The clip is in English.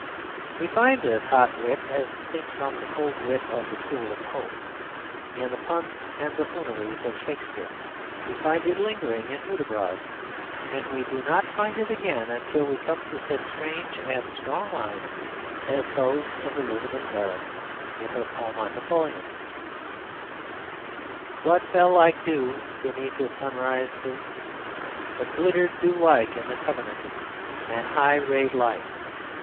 We find this hot wit, as distinct from the cold wit of the school of Pope, in the puns and buffooneries of Shakespeare. We find it lingering in Hudibras, and we do not find it again until we come to such strange and strong lines as these of Elizabeth Barrett in her poem on Napoleon: "Blood fell like dew beneath his sunrise sooth, But glittered dew like in the covenanted And high rayed light.